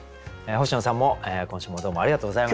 星野さんも今週もどうもありがとうございました。